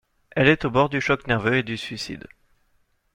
Elle est au bord du choc nerveux et du suicide.